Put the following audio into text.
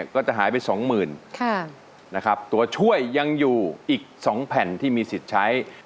ก็จะหายไปสองหมื่นนะครับตัวช่วยยังอยู่อีก๒แผ่นที่มีสิทธิ์ใช้